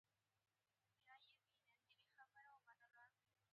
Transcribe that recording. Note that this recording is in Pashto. هر هغه څوک چې د نورو په درد غمجن نه وي.